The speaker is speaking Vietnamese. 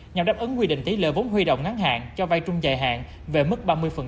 nhằm đáp ứng quy định tỷ lệ vốn huy động ngắn hạn cho vay trung dài hạn về mức ba mươi